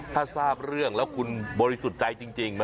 ถ้าทางบริษัทแล้วแหละ